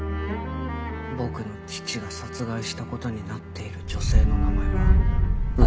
僕の父が殺害した事になっている女性の名前は歌川チカさん。